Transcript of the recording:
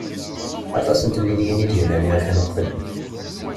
Aṭas n temliliyin i d-yellan yakan uqbel.